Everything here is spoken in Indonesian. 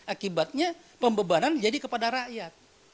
akibatnya pembebanan jadi kepada rakyat